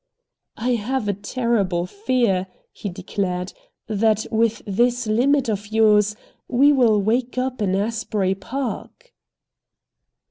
"I have a terrible fear," he declared, "that, with this limit of yours, we will wake up in Asbury Park."